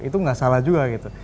itu nggak salah juga gitu